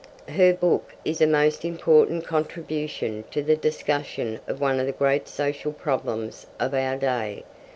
Her book is a most important contribution to the discussion of one of the great social problems of our day.